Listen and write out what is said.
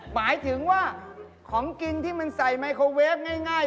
หมายถึงว่าของกินที่มันใส่ไมโครเวฟง่าย